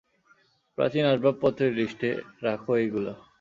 প্রাচীন আসবাপত্রের লিস্টে, রাখো এইগুলা।